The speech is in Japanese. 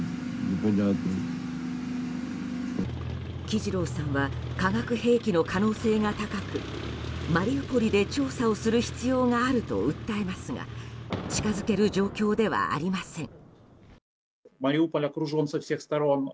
キジロウさんは化学兵器の可能性が高くマリウポリで調査をする必要があると訴えますが近づける状況ではありません。